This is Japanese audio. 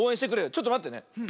ちょっとまってね。